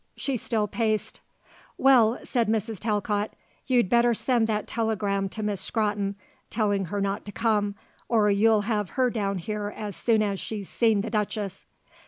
She still paced. "Well," said Mrs. Talcott, "you'd better send that telegram to Miss Scrotton, telling her not to come, or you'll have her down here as soon as she's seen the Duchess."